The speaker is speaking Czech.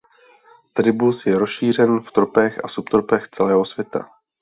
Tribus je rozšířen v tropech a subtropech celého světa.